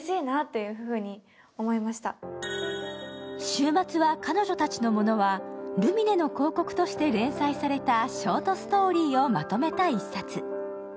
「週末は彼女たちのもの」はルミネの広告として連載されたショートストーリーをまとめた一冊。